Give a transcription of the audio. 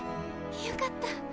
よかった。